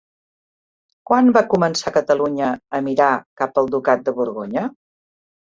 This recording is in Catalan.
Quan va començar Catalunya a mirar cap al ducat de Borgonya?